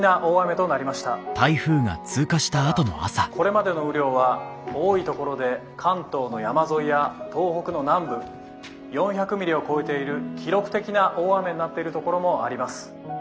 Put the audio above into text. ただこれまでの雨量は多い所で関東の山沿いや東北の南部４００ミリを超えている記録的な大雨になっている所もあります」。